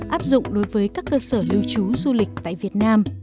áp dụng đối với các cơ sở lưu trú du lịch tại việt nam